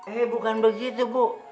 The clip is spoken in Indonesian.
eh bukan begitu bu